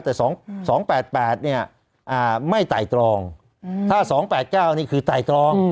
แต่สองสองแปดแปดเนี่ยอ่าไม่ต่ายตรองอืมถ้าสองแปดเก้านี่คือต่ายตรอง